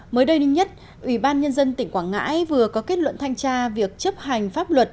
mới đây nhất ủy ban nhân dân tỉnh quảng ngãi vừa có kết luận thanh tra việc chấp hành pháp luật